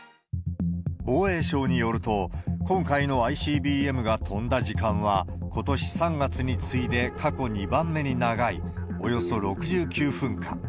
防衛省によると、今回のＩＣＢＭが飛んだ時間は、ことし３月に次いで過去２番目に長い、およそ６９分間。